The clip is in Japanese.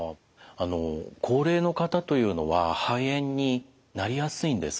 あの高齢の方というのは肺炎になりやすいんですか？